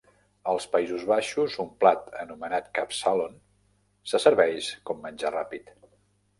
Als Països Baixos, un plat anomenat "kapsalon" se serveix com menjar ràpid.